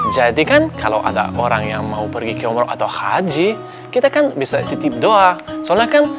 kan kalau ada orang yang mau pergi ke umroh atau haji kita kan bisa titip doa sholat kan